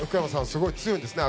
すごい強いんですね